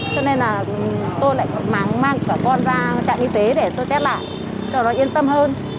cho nên là tôi lại mang cả con ra trạng y tế để tôi test lại cho nó yên tâm hơn